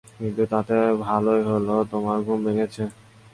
কিন্তু তাতে ভালোই হলো, তোমার ঘুম ভেঙ্গেছে।